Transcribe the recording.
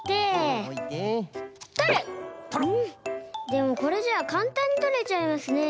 でもこれじゃかんたんにとれちゃいますね。